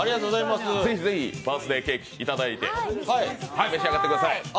ぜひぜひ、バースデーケーキ、召し上がってください。